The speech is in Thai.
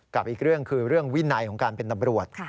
กับอีกเรื่องคือเรื่องวินัยของการเป็นตำรวจ